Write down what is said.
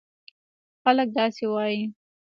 خلک داسې وایي: